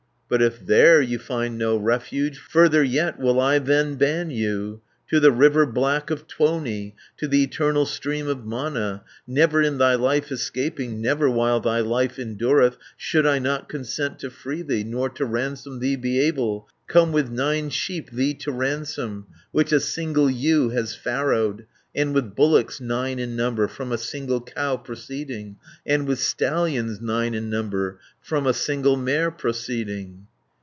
"But if there you find no refuge, Further yet will I then ban you, To the river black of Tuoni, To the eternal stream of Mana, Never in thy life escaping, Never while thy life endureth, Should I not consent to free thee, Nor to ransom thee be able, 440 Come with nine sheep thee to ransom, Which a single ewe has farrowed, And with bullocks, nine in number, From a single cow proceeding, And with stallions, nine in number, From a single mare proceeding.